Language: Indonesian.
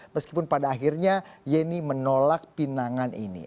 meskipun pada akhirnya yeni menolak pinangan ini